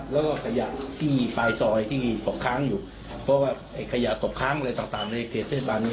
แล้วก็ขยะที่ปลายซอยที่ตกค้างอยู่เพราะว่าไอ้ขยะตกค้างอะไรต่างในเขตเทศบาล